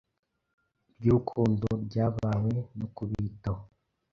ry’urukundo rw’abawe no kubitaho.